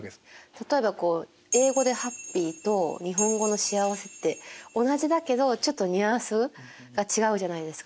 例えば英語で「ｈａｐｐｙ」と日本語の「幸せ」って同じだけどちょっとニュアンスが違うじゃないですか。